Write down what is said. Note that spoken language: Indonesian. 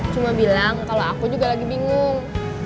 cuma bilang kalau aku juga lagi bingung